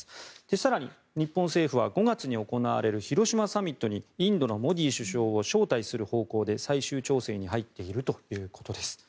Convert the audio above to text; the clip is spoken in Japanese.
更に日本政府は５月に行われる広島サミットにインドのモディ首相を招待する方向で最終調整に入っているということです。